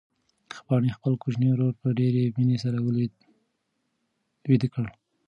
پاڼې خپل کوچنی ورور په ډېرې مینې سره ویده کړ.